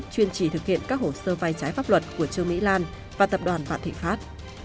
chuyên chỉ thực hiện các hồ sơ vai trái pháp luật của trương mỹ lan và tập đoàn vạn thịnh pháp